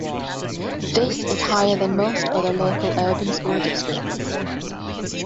This is higher than most other local urban school districts.